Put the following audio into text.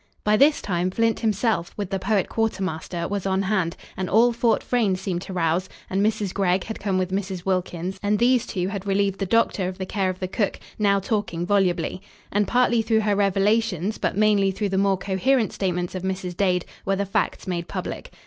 By this time Flint himself, with the poet quartermaster, was on hand, and all Fort Frayne seemed to rouse, and Mrs. Gregg had come with Mrs. Wilkins, and these two had relieved the doctor of the care of the cook, now talking volubly; and, partly through her revelations, but mainly through the more coherent statements of Mrs. Dade, were the facts made public.